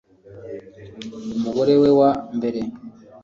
umugore we wa mbere